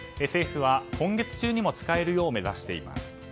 政府は今月中にも使えるよう目指しています。